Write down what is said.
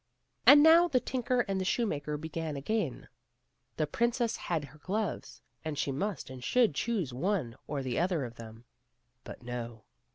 265 And now the tinker and the shoemaker began again ; the princess had her gloves, and she must and should choose one or the other of them. But no.